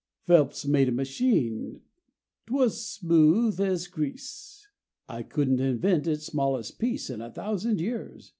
Phelps made a machine; 't was smooth as grease. (I[A] couldn't invent its smallest piece In a thousand years.)